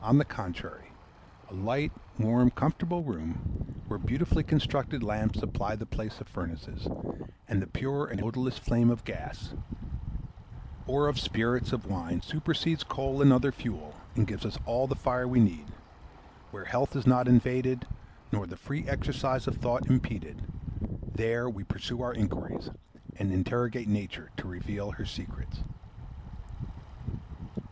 On the contrary, a light, warm, comfortable room, where beautifully constructed lamps supply the place of furnaces, and the pure and odourless flame of gas, or of spirits of wine, supersedes coal and other fuel, and gives us all the fire we need; where health is not invaded, nor the free exercise of thought impeded: there we pursue our inquiries, and interrogate Nature to reveal her secrets.